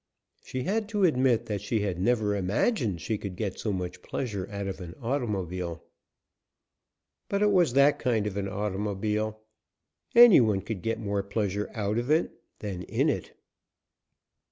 She had to admit that she had never imagined she could get so much pleasure out of an automobile. But it was that kind of an automobile any one could get more pleasure out of it than in it.